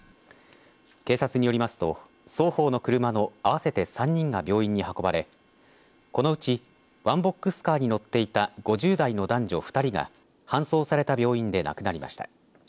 警察によりますと双方の車の合わせて３人が病院に運ばれ、このうちワンボックスカーに乗っていた５０代の男女２人が搬送された病院で亡くなりました。